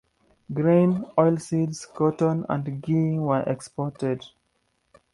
Grain, oil-seeds, cotton and ghee were exported.